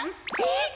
えっ？